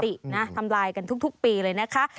ตินะทำลายกันทุกปีเลยนะคะ